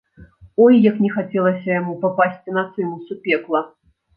Ой, як не хацелася яму папасці на цымус у пекла!